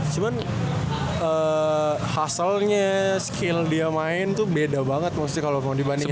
cuman hustle nya skill dia main tuh beda banget kalau dibandingin